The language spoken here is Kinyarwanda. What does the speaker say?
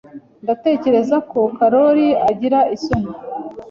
Ndatekereza ko Karoli agira isoni.